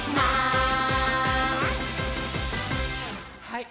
はい。